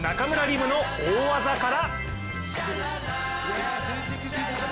夢の大技から。